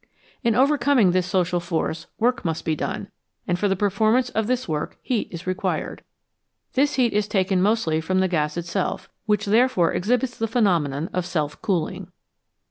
In overcoming this social force, work must be done, and for the performance of this work heat is required. This heat is taken mostly from the gas itself, which there fore exhibits the phenomenon of " self cooling.